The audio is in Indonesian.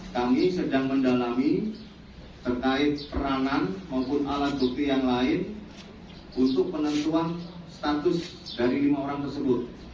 kami sedang mendalami terkait perangan maupun alat bukti yang lain untuk penentuan status dari lima orang tersebut